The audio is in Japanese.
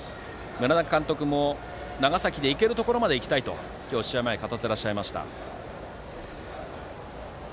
村中監督も、長崎で行けるところまで行きたいと今日、試合前に語っていらっしゃいました。